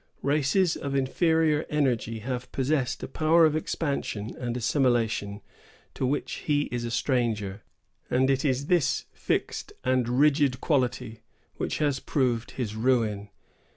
Races of inferior energy have possessed a power of expansion and assimilation to which he is a stranger; and it is this fixed and rigid quality which has proved his ruin.